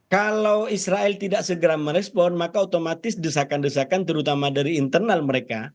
kalau israel tidak segera merespon maka otomatis desakan desakan terutama dari internal mereka